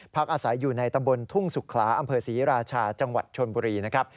อาศัยอยู่ในตำบลทุ่งสุขลาอำเภอศรีราชาจังหวัดชนบุรีนะครับ